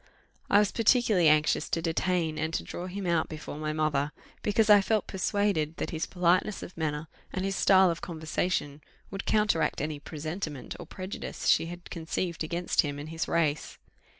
I was particularly anxious to detain, and to draw him out before my mother, because I felt persuaded that his politeness of manner, and his style of conversation, would counteract any presentiment or prejudice she had conceived against him and his race.